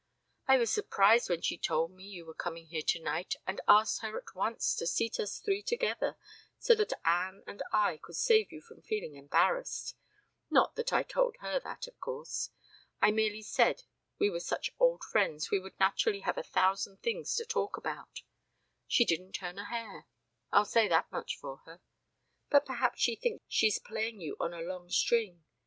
I was surprised when she told me you were coming here tonight, and asked her at once to seat us three together so that Anne and I could save you from feeling embarrassed not that I told her that, of course. I merely said we were such old friends we would naturally have a thousand things to talk about. She didn't turn a hair; I'll say that much for her. But perhaps she thinks she's playing you on a long string.